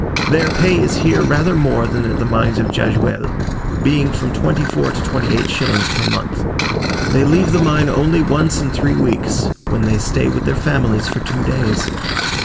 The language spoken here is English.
Their pay is here rather more than at the mines of Jajuel, being from 24 to 28 shillings per month. They leave the mine only once in three weeks; when they stay with their families for two days.